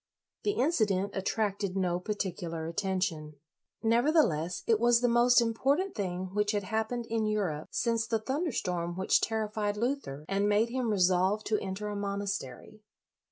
The incident attracted no particular attention. Nevertheless, it 53 54 LOYOLA was the most important thing which had happened in Europe since the thunder storm which terrified Luther, and made him resolve to enter a monastery.